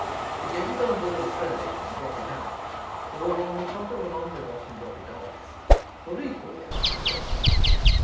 To get it on board a train and drop it out, or on the top of an omnibus and drop it off, were equally out of the question.